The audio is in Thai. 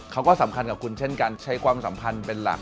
เขาก็สำคัญกับคุณเช่นกันใช้ความสัมพันธ์เป็นหลัก